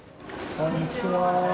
こんにちは。